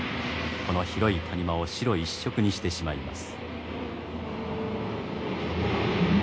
この広い谷間を白一色にしてしまいます。